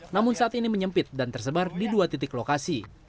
namun saat ini menyempit dan tersebar di dua titik lokasi